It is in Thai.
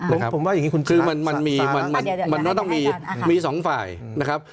อ่าผมว่าอย่างงี้คุณคือมันมีมันมันมันต้องมีมีสองฝ่ายนะครับ